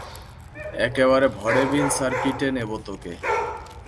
একেবারে ভডেভিল সার্কিটে নেবো তোকে।